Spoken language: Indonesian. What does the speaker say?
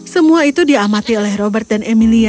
semua itu diamati oleh robert dan dia menanggungnya